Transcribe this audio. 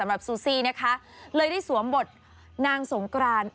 ซูซี่นะคะเลยได้สวมบทนางสงกราน